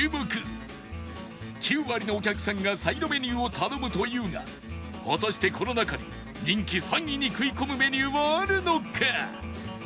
９割のお客さんがサイドメニューを頼むというが果たしてこの中に人気３位に食い込むメニューはあるのか？